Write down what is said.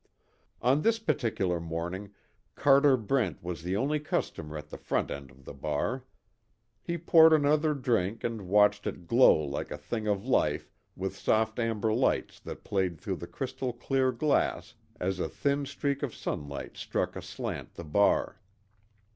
On this particular morning Carter Brent was the only customer at the front end of the bar. He poured another drink and watched it glow like a thing of life with soft amber lights that played through the crystal clear glass as a thin streak of sunlight struck aslant the bar.